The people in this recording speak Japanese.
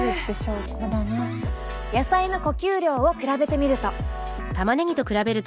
野菜の呼吸量を比べてみると。